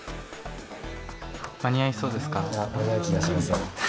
・間に合いそうですか？